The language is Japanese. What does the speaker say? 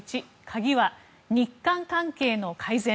１鍵は日韓関係の改善。